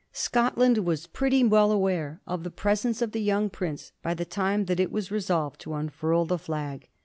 Scotland was pretty well aware of the presence of the young prince by the time that it was resolved to unfurl the flag.